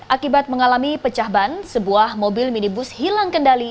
akibat mengalami pecah ban sebuah mobil minibus hilang kendali